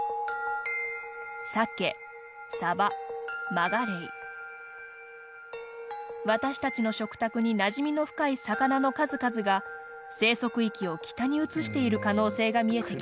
サケサバマガレイ私たちの食卓になじみの深い魚の数々が生息域を北に移している可能性が見えてきました。